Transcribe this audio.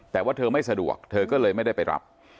แต่ว่าเธอไม่สะดวกเธอก็เลยไม่ได้ไปรับ